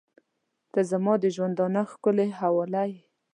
• ته زما د ژونده ښکلي حواله یې.